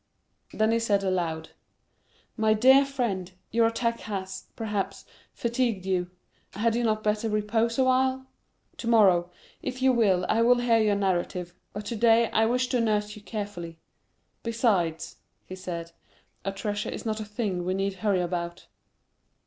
Then he said aloud, "My dear friend, your attack has, perhaps, fatigued you; had you not better repose awhile? Tomorrow, if you will, I will hear your narrative; but today I wish to nurse you carefully. Besides," he said, "a treasure is not a thing we need hurry about."